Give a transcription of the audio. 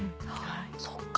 そっか。